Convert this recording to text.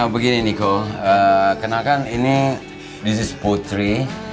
begini niko kenalkan ini putri